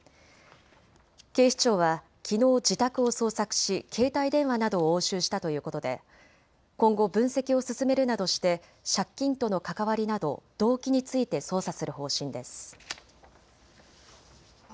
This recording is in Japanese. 警視庁はきのう自宅を捜索し携帯電話などを押収したということで今後分析を進めるなどして借金との関わりなど動機について捜査する方針です。